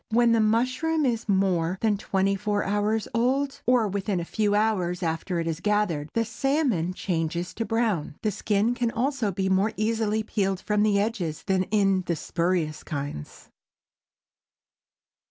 When the mushroom is more than twenty four hours old, or within a few hours after it is gathered, the salmon changes to brown. The skin can also be more easily peeled from the edges than in the spurious kinds.